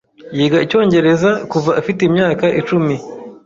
Yiga icyongereza kuva afite imyaka icumi.